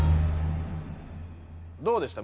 どうでした？